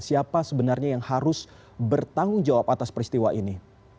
siapa sebenarnya yang harus bertanggung jawab atas peristiwa ini